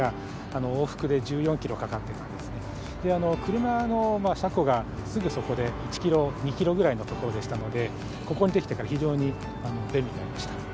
車の車庫がすぐそこで１キロ２キロぐらいの所でしたのでここにできてから非常に便利になりました。